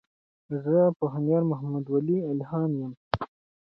زۀ پوهنيار محمدولي الهام يم.